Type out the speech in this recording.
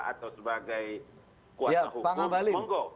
atau sebagai kuasa hukum monggo